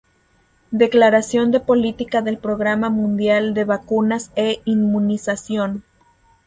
Declaración de política del Programa Mundial de Vacunas e Inmunización.